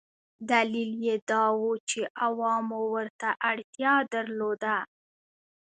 دلیل یې دا و چې عوامو ورته اړتیا درلوده.